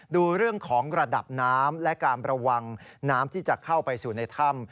ดูเรื่องของระดับน้ำและการระวังน้ำที่จะเข้าไปสู่ในถ้ำ